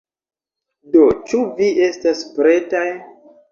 Do, ĉu vi estas pretaj?